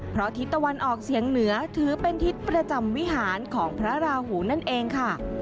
เพราะทิศตะวันออกเฉียงเหนือถือเป็นทิศประจำวิหารของพระราหูนั่นเองค่ะ